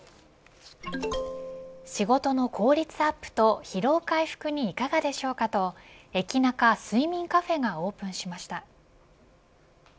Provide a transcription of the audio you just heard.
仕事の効率アップと疲労回復にいかがでしょうかと駅ナカ睡眠カフェがオープンしました。